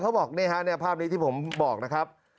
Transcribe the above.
บอกนี่ฮะภาพนี้ที่ผมบอกนะครับ